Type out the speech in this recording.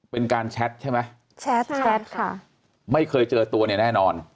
เป็นการแชทใช่ไหมแชทค่ะไม่เคยเจอตัวเนี่ยแน่นอน